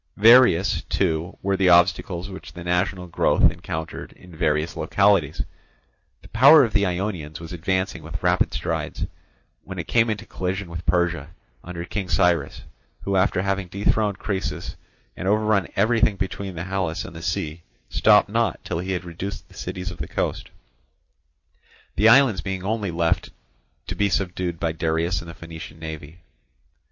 Various, too, were the obstacles which the national growth encountered in various localities. The power of the Ionians was advancing with rapid strides, when it came into collision with Persia, under King Cyrus, who, after having dethroned Croesus and overrun everything between the Halys and the sea, stopped not till he had reduced the cities of the coast; the islands being only left to be subdued by Darius and the Phoenician navy.